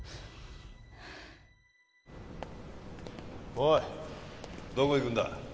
おいどこ行くんだ